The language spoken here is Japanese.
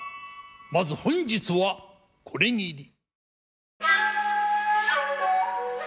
まず本日はこれぎり。